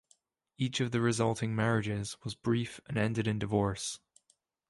Each of the resulting marriages was brief and ended in divorce.